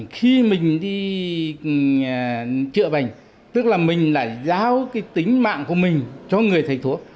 khi mình đi trợ bệnh tức là mình lại giao tính mạng của mình cho người thầy thuốc